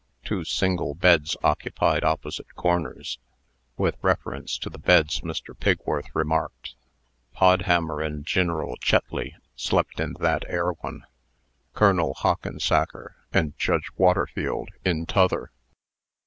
Two single beds occupied opposite corners. With reference to the beds, Mr. Pigworth remarked: "Podhammer and Gineral Chetley slept in that air one. Colonel Hockensacker and Judge Waterfield in t'other.